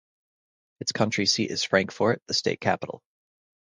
Its county seat is Frankfort, the state capital.